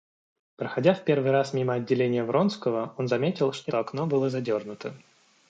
Проходя в первый раз мимо отделения Вронского, он заметил, что окно было задернуто.